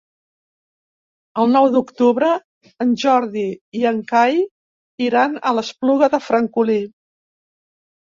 El nou d'octubre en Jordi i en Cai iran a l'Espluga de Francolí.